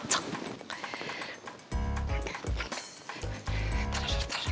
tunggu tunggu tunggu